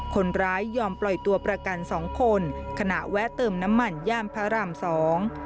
คนร้ายยอมปล่อยตัวประกันสองคนขณะแวะเติมน้ำมันย่านพระรามสอง